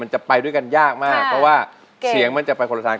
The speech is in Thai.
จะไปด้วยกันยากมากเพราะว่าเสียงมันจะไปคนละทาง